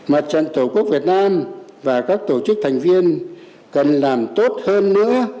mặt trận tổ quốc việt nam và các tổ chức thành viên cần làm tốt hơn nữa